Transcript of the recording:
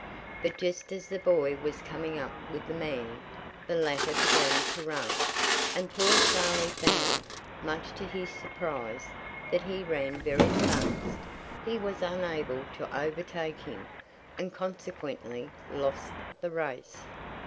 But just as the boy was coming up with the man, the latter began to run, and poor Charley found, much to his surprise, that he ran very fast. He was unable to overtake him, and consequently lost the race.